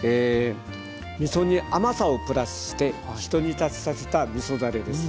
みそに甘さをプラスして一煮立ちさせたみそだれです。